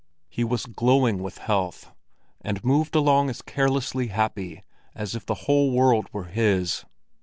He was glowing with health, and moved along as carelessly happy as if the whole world were his.